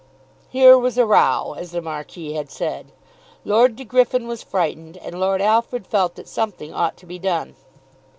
Here was a row, as the Marquis had said! Lord De Griffin was frightened, and Lord Alfred felt that something ought to be done.